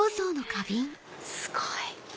すごい！